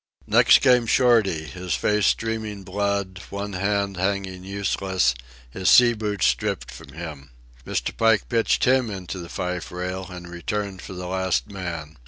Next came Shorty, his face streaming blood, one arm hanging useless, his sea boots stripped from him. Mr. Pike pitched him into the fife rail, and returned for the last man.